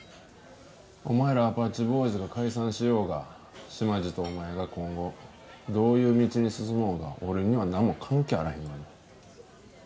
お前らアパッチボーイズが解散しようが島地とお前が今後どういう道に進もうが俺にはなんも関係あらへんがな。